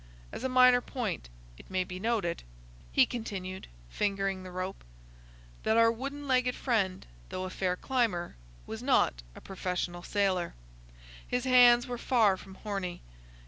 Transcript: As a minor point it may be noted," he continued, fingering the rope, "that our wooden legged friend, though a fair climber, was not a professional sailor. His hands were far from horny.